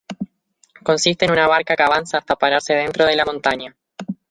Consiste en una barca que avanza hasta pararse dentro de la montaña.